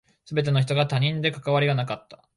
全ての人が他人で関わりがなかった。